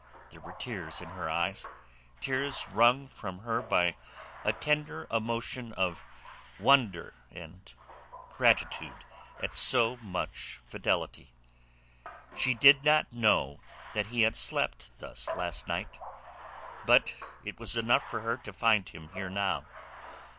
There were tears in her eyes—tears wrung from her by a tender emotion of wonder and gratitude at so much fidelity. She did not know that he had slept thus last night. But it was enough for her to find him here now.